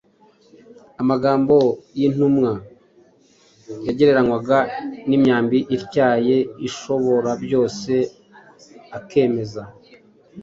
Amagambo y’intumwa yagereranywaga n’imyambi ityaye y’Ishoborabyose akemeza